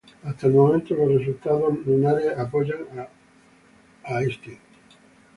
Hasta el momento, los resultados lunares apoyan a Einstein.